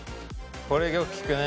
これよく聞くね。